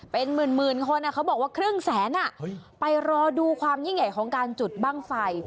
เป็นหมื่นคนเขาบอกว่าครึ่งแสนไปรอดูความยิ่งใหญ่ของการจุดบ้างไฟ